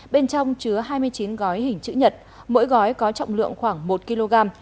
bên trong chứa hai mươi chín gói hình chữ nhật mỗi gói có trọng lượng khoảng một kg